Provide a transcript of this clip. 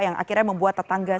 yang akhirnya membuat tetangganya